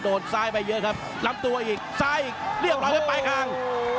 ดซ้ายไปเยอะครับลำตัวอีกซ้ายอีกเรียบร้อยครับปลายคาง